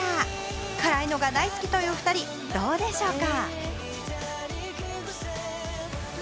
辛いのが大好きという２人、どうでしょうか？